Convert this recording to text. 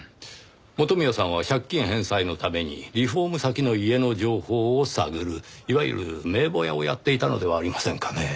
元宮さんは借金返済のためにリフォーム先の家の情報を探るいわゆる名簿屋をやっていたのではありませんかね？